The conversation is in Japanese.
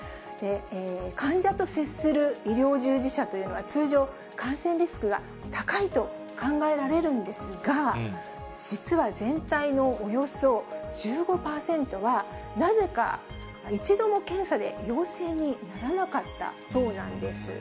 患者と接する医療従事者というのは通常、感染リスクが高いと考えられるんですが、実は全体のおよそ１５％は、なぜか、一度も検査で陽性にならなかったそうなんです。